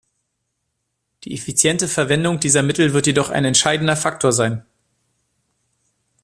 Die effiziente Verwendung dieser Mittel wird jedoch ein entscheidender Faktor sein.